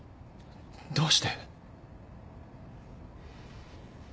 どうして？